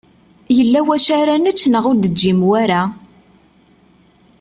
Yella wacu ara nečč neɣ ur d-teǧǧim wara?